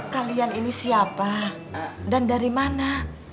kalian ini siapa dan dari mana